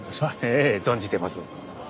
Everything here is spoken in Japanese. ええ存じてます。